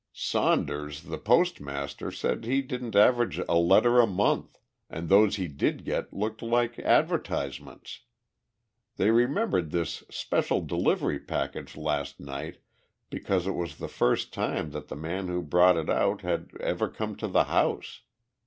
"Saunders, the postmaster, says he didn't average a letter a month and those he did get looked like advertisements. They remembered this special delivery package last night because it was the first time that the man who brought it out had ever come to the house.